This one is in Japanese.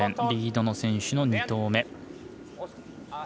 リードの選手の２投目。